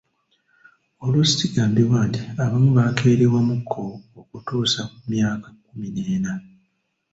Oluusi kigambibwa nti abamu bakeerewamuuko okutuusa ku myaka kkumi n'ena.